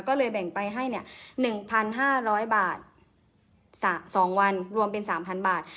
ก็เลยแบ่งไปให้เนี่ยหนึ่งพันห้าร้อยบาทสามสองวันรวมเป็นสามพันบาท